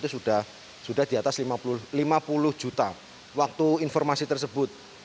sudah di atas lima puluh juta waktu informasi tersebut